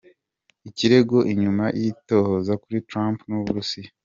Ikirego inyuma y'itohoza kuri Trump n'Uburusiya.